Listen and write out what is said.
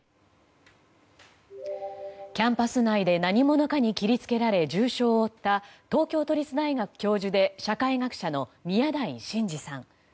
キャンパス内で何者かに切りつけられ重傷を負った東京都立大学教授で社会学者の宮台真司さん。